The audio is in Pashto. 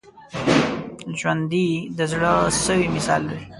ژوندي د زړه سوي مثال وي